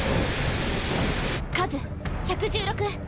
数１１６！